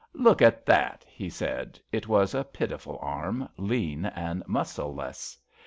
" Look at that !" he said. It was a pitiful arm, lean and muscleless.